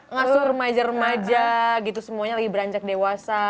ngasuh remaja remaja gitu semuanya lagi beranjak dewasa